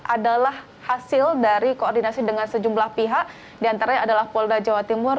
adalah hasil dan keputusan yang diperlukan oleh pemerintah jawa timur